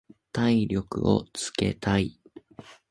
体力をつけたい。